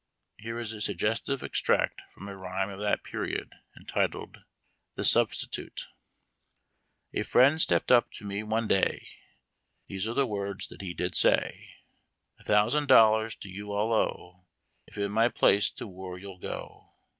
Here is a suggestive extract from a rhyme of that period, entitled THE SUBSTITUTE. A friend stepped up to me one day; These are the words that lie did say: " A thousand dollars to you I'll owe, If in my place to war you'll go.